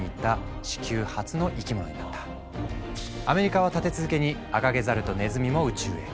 アメリカは立て続けにアカゲザルとネズミも宇宙へ。